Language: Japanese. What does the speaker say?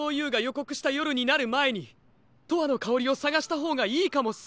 こくしたよるになるまえに「とわのかおり」をさがしたほうがいいかもっす。